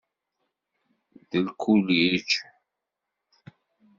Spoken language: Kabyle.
D lkulij.